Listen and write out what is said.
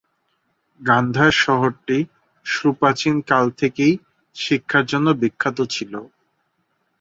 গান্ধার শহরটি সুপ্রাচীন কাল থেকেই শিক্ষার জন্য বিখ্যাত ছিলো।